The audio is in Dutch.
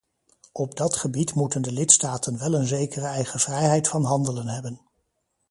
Op dat gebied moeten de lidstaten wel een zekere eigen vrijheid van handelen hebben.